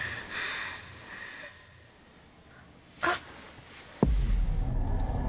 あっ！